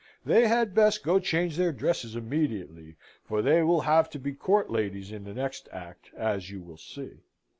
They had best go change their dresses immediately, for they will have to be court ladies in the next act as you will see."